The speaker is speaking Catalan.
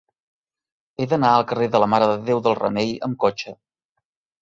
He d'anar al carrer de la Mare de Déu del Remei amb cotxe.